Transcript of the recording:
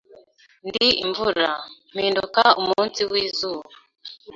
Ndi imvura, mpinduka umunsi wizuba